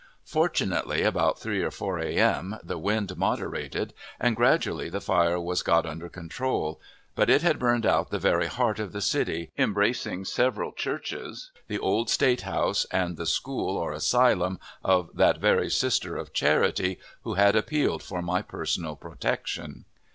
Fortunately, about 3 or 4 a.m., the wind moderated, and gradually the fire was got under control; but it had burned out the very heart of the city, embracing several churches, the old State House, and the school or asylum of that very Sister of Charity who had appealed for my personal protection.